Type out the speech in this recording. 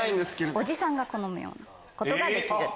おじさんが好むようなことができる。